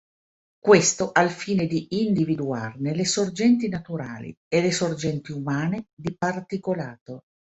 Questo al fine di individuarne le sorgenti naturali e le sorgenti umane di particolato.